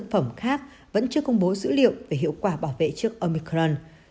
phẩm khác vẫn chưa công bố dữ liệu về hiệu quả bảo vệ trước omicron